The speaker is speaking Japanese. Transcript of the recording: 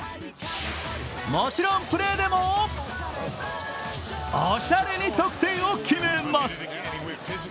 もちろんプレーでもおしゃれに得点を決めます。